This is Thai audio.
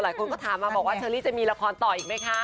หลายคนก็ถามมาว่าเชอรี่จะมีราคาอีกมั้ยคะ